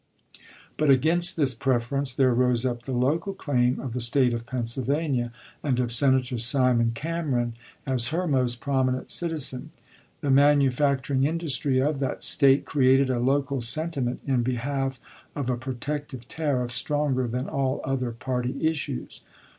But against this preference there rose up the local claim of the State of Pennsylvania and of Senator Simon Cameron as her most prominent citizen. The manufacturing industry of that State created a local sentiment in behalf of a protective tariff stronger than all other party issues.